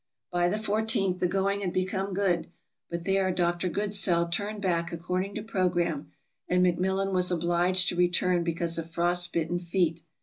By the 14th the going had become good, but there Dr. Goodsell turned back according to program, and McMillan was obliged to return because of frost bitten feet.